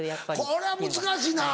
これは難しいな。